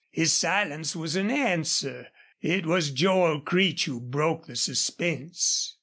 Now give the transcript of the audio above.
His silence was an answer. It was Joel Creech who broke the suspense.